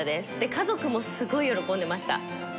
家族もすごい喜んでました。